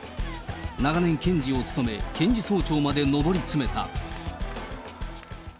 長年、検事を務め検事総長まで上り詰めた。